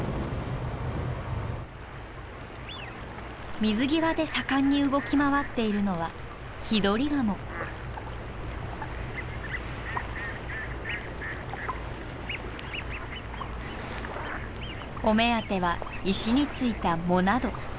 水際で盛んに動き回っているのはお目当ては石についた藻など。